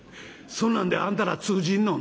そんなんであんたら通じんの？」。